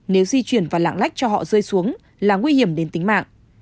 nếu di chuyển và lạng lách cho họ rơi xuống là nguy hiểm đến tính mạng